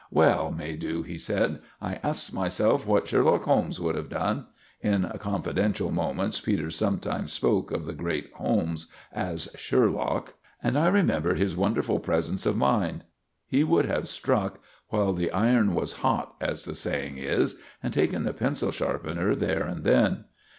"Well, Maydew," he said, "I asked myself what Sherlock would have done"—in confidential moments Peters sometimes spoke of the great Holmes as 'Sherlock'—"and I remembered his wonderful presence of mind. Me would have struck while the iron was hot, as the saying is, and taken the pencil sharpener there and then."